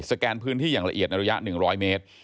แกนพื้นที่อย่างละเอียดในระยะ๑๐๐เมตร